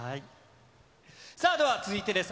さあ、では続いてです。